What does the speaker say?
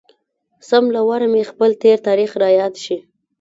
سم له واره مې خپل تېر تاريخ را یاد شي.